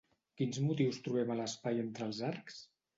Quins motius trobem a l'espai entre els arcs?